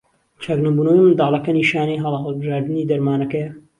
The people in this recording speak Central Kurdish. چاکنەبوونەوەی منداڵەکە نیشانەی هەڵە هەڵبژاردنی دەرمانەکەیە.